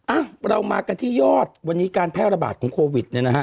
อ่ะเรามากันที่ยอดวันนี้การแพร่ระบาดของโควิดเนี่ยนะฮะ